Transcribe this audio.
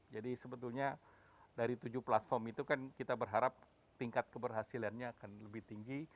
jadi sebetulnya dari tujuh platform itu kan kita berharap tingkat keberhasilannya akan lebih tinggi